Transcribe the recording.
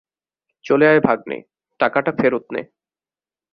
চলে আয় ভাগ্নে, টাকাটা ফেরত নে।